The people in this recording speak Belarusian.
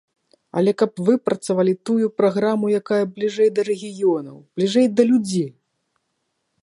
Але каб выпрацавалі тую праграму, якая бліжэй да рэгіёнаў, бліжэй да людзей.